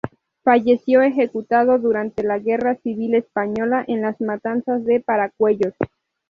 Falleció ejecutado durante la Guerra Civil Española, en las matanzas de Paracuellos.